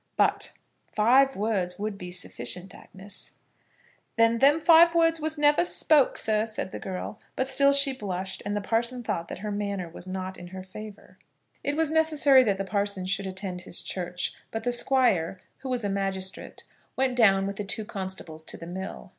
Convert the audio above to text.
"But five words would be sufficient, Agnes." "Then them five words was never spoke, sir," said the girl. But still she blushed, and the parson thought that her manner was not in her favour. It was necessary that the parson should attend to his church; but the Squire, who was a magistrate, went down with the two constables to the mill.